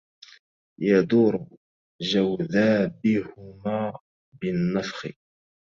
يدورُ جوذابهما بالنَفْخِ